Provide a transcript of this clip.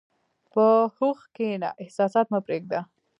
په هوښ کښېنه، احساسات مه پرېږده.